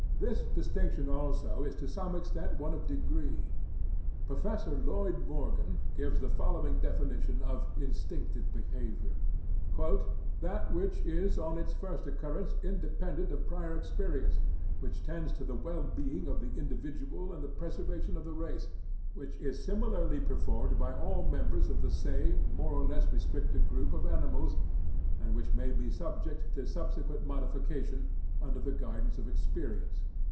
This distinction also is to some extent one of degree. Professor Lloyd Morgan gives the following definition of "instinctive behaviour": "That which is, on its first occurrence, independent of prior experience; which tends to the well being of the individual and the preservation of the race; which is similarly performed by all members of the same more or less restricted group of animals; and which may be subject to subsequent modification under the guidance of experience."